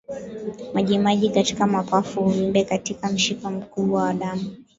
Majimaji katika mapafu uvimbe katika mshipa mkubwa wa damu